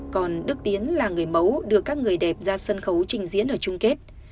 còn đức tiến là người mẫu đưa các người đẹp ra sân khấu trình diễn ở chung kết